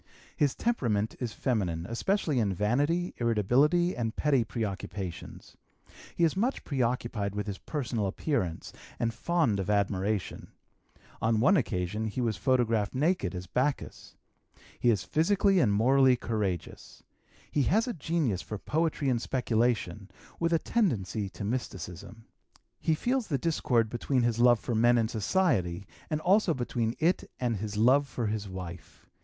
His temperament is feminine, especially in vanity, irritability, and petty preoccupations. He is much preoccupied with his personal appearance and fond of admiration; on one occasion he was photographed naked as Bacchus. He is physically and morally courageous. He has a genius for poetry and speculation, with a tendency to mysticism. He feels the discord between his love for men and society, also between it and his love for his wife.